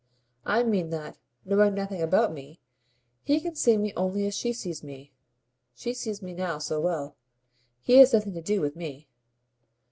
I mean that, knowing nothing about me, he can see me only as she sees me. She sees me now so well. He has nothing to do with me."